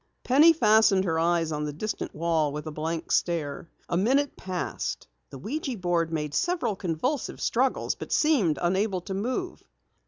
Penny fastened her eyes on the distant wall with a blank stare. A minute passed. The ouija board made several convulsive struggles, but seemed unable to move.